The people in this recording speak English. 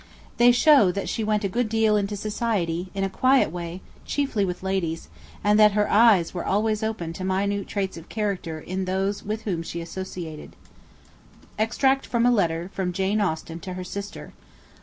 They shew that she went a good deal into society, in a quiet way, chiefly with ladies; and that her eyes were always open to minute traits of character in those with whom she associated: Extract from a letter from Jane Austen to her Sister.